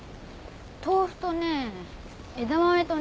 豆腐とね枝豆とね。